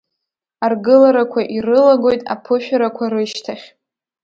Аргыларақәа ирылагоит аԥышәарақәа рышьҭахь.